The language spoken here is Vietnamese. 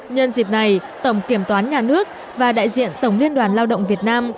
nhân dịp này tổng kiểm toán nhà nước và đại diện tổng liên đoàn lao động việt nam